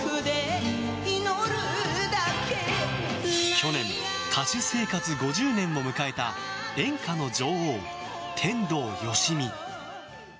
去年、歌手生活５０年を迎えた演歌の女王・天童よしみ。